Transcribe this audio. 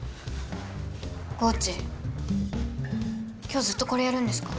今日ずっとこれやるんですか？